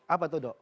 apa tuh dong